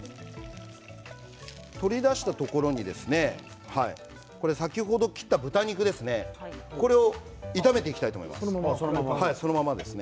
取り出したところに先ほど切った豚肉ですね炒めていきたいと思いますそのままです。